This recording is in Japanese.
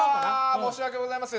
申し訳ございません。